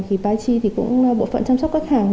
thì phai chi cũng bộ phận chăm sóc khách hàng